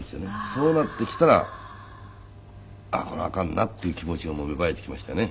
そうなってきたらあっこれはあかんなっていう気持ちが芽生えてきましてね。